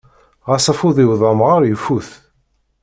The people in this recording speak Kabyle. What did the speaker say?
Ɣas afud-iw d amɣar ifut.